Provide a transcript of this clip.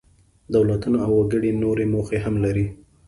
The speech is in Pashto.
دولتونه او وګړي نورې موخې هم لري.